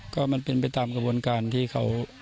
ก็มันเป็นไปตามกระบวนการที่เขา